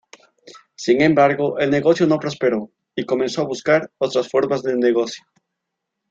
Sin embargo el negocio no prosperó y comenzó a buscar otras formas de negocio.